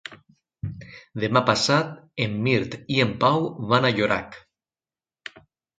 Demà passat en Mirt i en Pau van a Llorac.